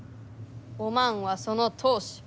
おまんはその当主。